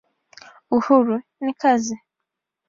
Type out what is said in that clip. Uhuru ni kazi.